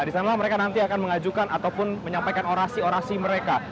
di sana mereka nanti akan mengajukan ataupun menyampaikan orasi orasi mereka